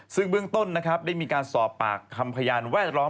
ซึ่งเบื้องต้นนะครับได้มีการสอบปากคำพยานแวดล้อม